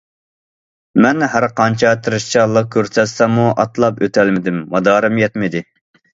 مەن ھەرقانچە تىرىشچانلىق كۆرسەتسەممۇ ئاتلاپ ئۆتەلمىدىم، مادارىم يەتمىدى.